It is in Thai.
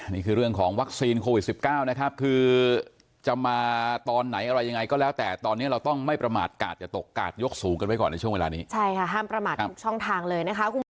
นี่คือเรื่องของวัคซีนโควิด๑๙นะครับคือจะมาตอนไหนอะไรยังไงก็แล้วแต่ตอนนี้เราต้องไม่ประมาทกาศอย่าตกกาดยกสูงกันไว้ก่อนในช่วงเวลานี้ใช่ค่ะห้ามประมาททุกช่องทางเลยนะคะคุณผู้ชม